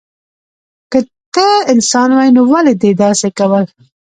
که ته انسان وای نو ولی دی داسی کول